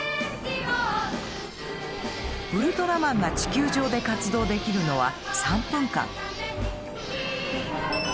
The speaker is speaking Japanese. ウルトラマンが地球上で活動できるのは３分間。